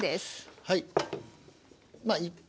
はい。